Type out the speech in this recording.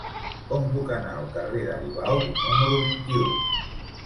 Com puc anar al carrer d'Aribau número vint-i-u?